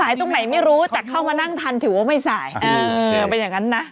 ตรงไหนไม่รู้แต่เข้ามานั่งทันถือว่าไม่สายเออเป็นอย่างนั้นนะ